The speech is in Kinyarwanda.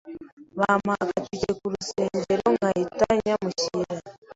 bampa agatike ku rusengero nkahita nyamushyira